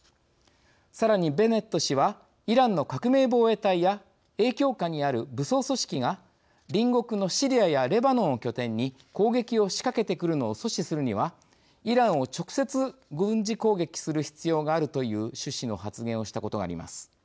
さらに、ベネット氏はイランの革命防衛隊や影響下にある武装組織が隣国のシリアやレバノンを拠点に攻撃を仕掛けてくるのを阻止するにはイランを直接軍事攻撃する必要があるという趣旨の発言をしたことがあります。